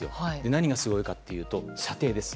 何がすごいかというと球の射程です。